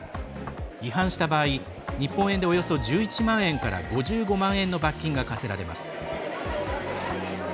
違反した場合、日本円でおよそ１１万円から５５万円の罰金が科せられます。